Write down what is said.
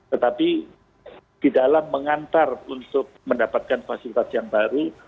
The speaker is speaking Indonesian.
tetapi di dalam mengantar untuk mendapatkan fasilitas yang baru